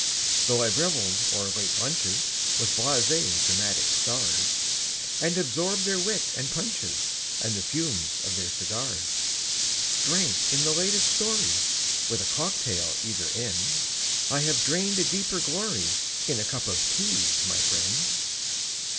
Though I've reveled o'er late lunches With blasé dramatic stars, And absorbed their wit and punches And the fumes of their cigars Drank in the latest story, With a cock tail either end, I have drained a deeper glory In a cup of tea, my friend.